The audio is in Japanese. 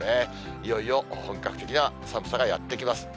いよいよ本格的な寒さがやって来ます。